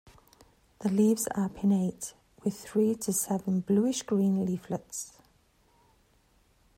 The leaves are pinnate, with three to seven bluish-green leaflets.